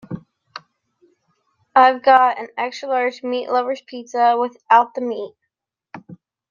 I’ve got an extra large meat lover’s pizza, without the meat?